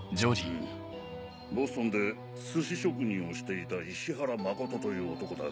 うむボストンで寿司職人をしていた石原誠という男だ。